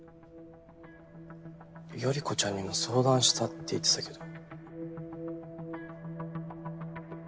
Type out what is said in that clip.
頼子ちゃんにも相談したって言ってたけど。